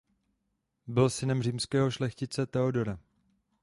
Byl synem římského šlechtice Theodora.